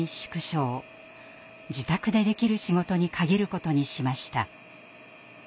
自宅でできる仕事に限ることにしました。